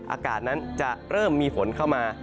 อากาศนั้นจะเริ่มมีฝนเข้ามา